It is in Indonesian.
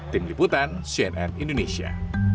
tim liputan cnn indonesia